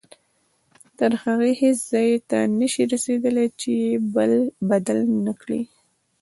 تر هغې هیڅ ځای ته نه شئ رسېدلی چې یې بدل نه کړئ.